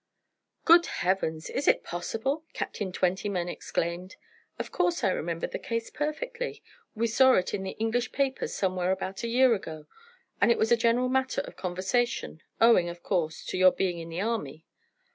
"Good Heavens! Is it possible?" Captain Twentyman exclaimed. "Of course I remember the case perfectly. We saw it in the English papers somewhere about a year ago, and it was a general matter of conversation, owing, of course, to your being in the army.